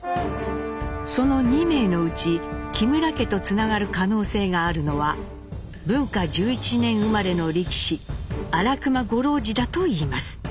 その２名のうち木村家とつながる可能性があるのは文化１１年生まれの力士荒熊五郎治だといいます。